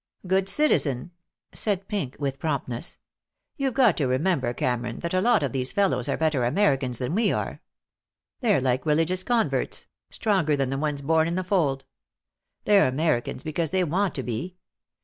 "Good citizen," said Pink, with promptness. "You've got to remember, Cameron, that a lot of these fellows are better Americans than we are. They're like religious converts, stronger than the ones born in the fold. They're Americans because they want to be.